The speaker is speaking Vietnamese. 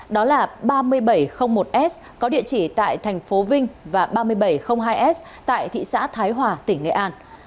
đó là ba nghìn bảy trăm linh một s có địa chỉ tại thành phố vinh và ba nghìn bảy trăm linh hai s tại thị xã thái hòa tỉnh nghệ an